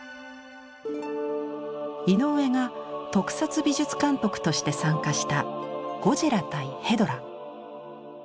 井上が特撮美術監督として参加した「ゴジラ対ヘドラ」。